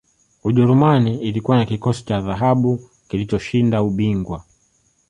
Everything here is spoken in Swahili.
ujerumani ilikuwa na kikosi cha dhahabu kilichoshinda ubingwa